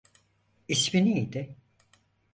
İsmi neydi?